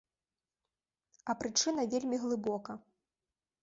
А прычына вельмі глыбока.